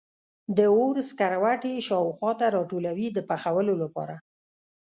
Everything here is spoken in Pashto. د اور سکروټي یې خوا و شا ته راټولوي د پخولو لپاره.